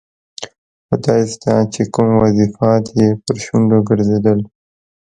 خدایزده چې کوم وظیفات یې پر شونډو ګرځېدل.